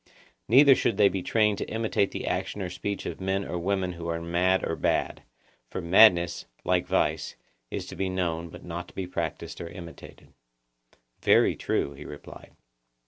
Neither should they be trained to imitate the action or speech of men or women who are mad or bad; for madness, like vice, is to be known but not to be practised or imitated. Very true, he replied.